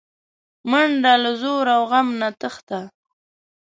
منډه له ځور او غم نه تښته